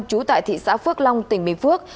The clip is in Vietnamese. chú tại thị xã phước long tỉnh bình phước